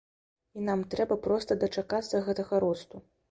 І нам трэба проста дачакацца гэтага росту.